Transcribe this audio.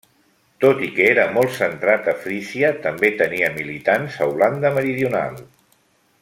Tot i que era molt centrat a Frísia, també tenia militants a Holanda Meridional.